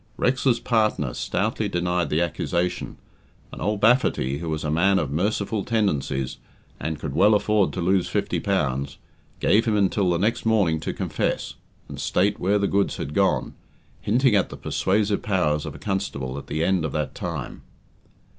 Rex's partner stoutly denied the accusation, and old Baffaty, who was a man of merciful tendencies, and could well afford to lose fifty pounds, gave him until the next morning to confess, and state where the goods had gone, hinting at the persuasive powers of a constable at the end of that time.